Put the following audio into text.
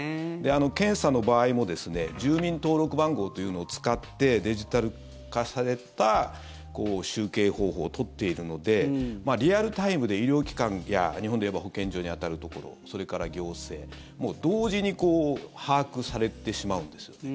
検査の場合も住民登録番号というのを使ってデジタル化された集計方法を取っているのでリアルタイムで医療機関や日本でいえば保健所に当たるところそれから行政同時に把握されてしまうんですよね。